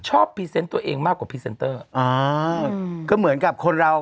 พรีเซนต์ตัวเองมากกว่าพรีเซนเตอร์อ่าก็เหมือนกับคนเรา